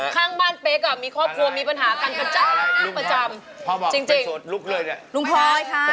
ข้างบ้านเฟ่อก็มีครอบครัวมีปัญหาประจำประจำ